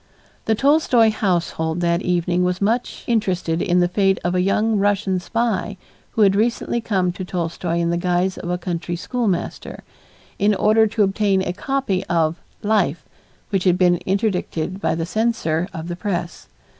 The Tolstoy household that evening was much interested in the fate of a young Russian spy who had recently come to Tolstoy in the guise of a country schoolmaster, in order to obtain a copy of "Life," which had been interdicted by the censor of the press.